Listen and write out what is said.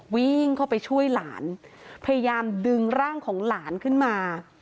วิ่งเข้าไปช่วยหลานพยายามดึงร่างของหลานขึ้นมา